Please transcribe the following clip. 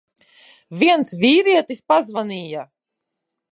Viens vīrietis pazvanīja.